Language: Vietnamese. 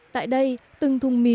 tại đây từng thùng miệng